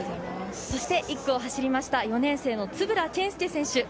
そして、１区を走りました４年生の円健介選手